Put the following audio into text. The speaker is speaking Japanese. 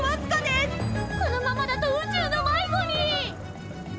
このままだと宇宙の迷子に！？